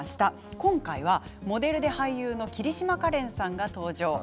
今回はモデルで俳優の桐島かれんさんが登場。